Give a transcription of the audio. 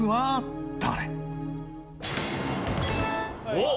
おっ！